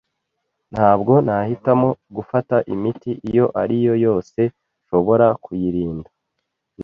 Ntabwo nahitamo gufata imiti iyo ari yo yose nshobora kuyirinda.